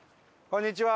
こんにちは。